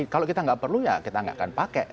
kalau kita tidak perlu ya kita tidak akan pakai